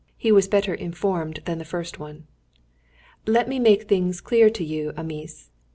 He was better informed than the first one. "Let me make things clear to you, amice!